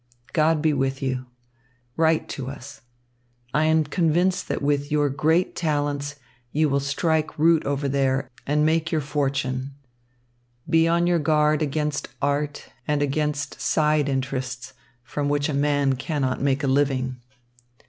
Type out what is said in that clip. God be with you. Write to us. I am convinced that with your great talents, you will strike root over there and make your fortune. Be on your guard against art and against side interests, from which a man cannot make a living.